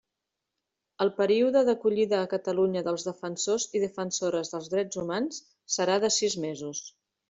El període d'acollida a Catalunya dels Defensors i Defensores dels Drets Humans serà de sis mesos.